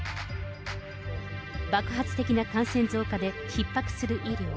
爆発的な感染増加でひっ迫する医療。